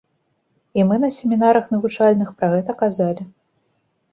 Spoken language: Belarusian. І мы на семінарах навучальных пра гэта казалі.